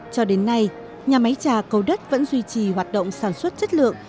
cho đến nay nhà máy trà cầu đất vẫn duy trì hoạt động sản xuất chất lượng